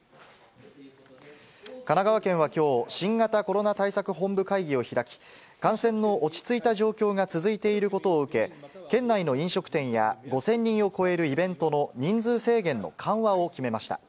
神奈川県はきょう、新型コロナ対策本部会議を開き、感染の落ち着いた状況が続いていることを受け、県内の飲食店や５０００人を超えるイベントの人数制限の緩和を決めました。